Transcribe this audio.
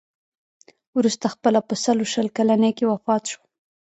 وروسته خپله په سلو شل کلنۍ کې وفات شو.